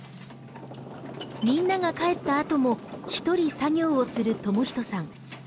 みんなが帰ったあとも一人作業をする智仁さん。